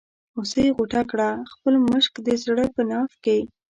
هوسۍ غوټه کړه خپل مشک د زړه په ناف کې.